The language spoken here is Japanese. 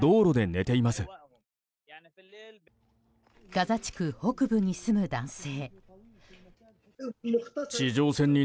ガザ地区北部に住む男性。